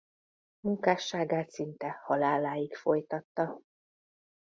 Munkásságát szinte haláláig folytatta.